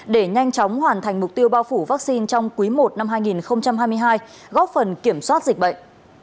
để nhanh chóng hoàn thành mục tiêu bao phủ vaccine trong quý i năm hai nghìn hai mươi hai góp phần kiểm soát dịch bệnh